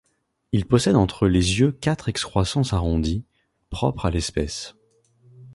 Il possède entre les yeux quatre excroissance arrondies, propres à l'espèce.